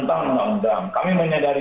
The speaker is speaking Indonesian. undang undang kami menyadari